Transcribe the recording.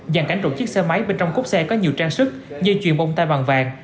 dàn cảnh rộng chiếc xe máy bên trong cốt xe có nhiều trang sức như chuyền bông tai bằng vàng